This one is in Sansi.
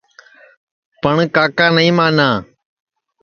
پٹؔ کاکا نائی مانا